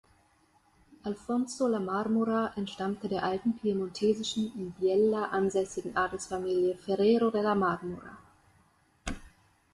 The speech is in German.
Alfonso La Marmora entstammte der alten piemontesischen, in Biella ansässigen Adelsfamilie Ferrero della Marmora.